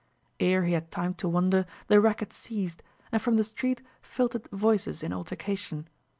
Ere he had time to wonder, the racket ceased, and from the street filtered voices in altercation.